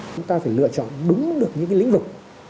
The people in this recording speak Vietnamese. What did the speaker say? chúng ta phải lựa chọn đúng được những cái lĩnh vực